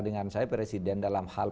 dengan saya presiden dalam hal